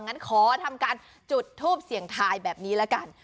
งั้นขอทำการจุดทูปเสี่ยงทายแบบนี้ละกัน